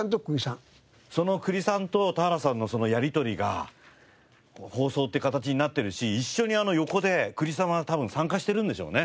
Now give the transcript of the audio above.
その久利さんと田原さんのそのやり取りが放送って形になっているし一緒に横で久利さんは多分参加しているんでしょうね。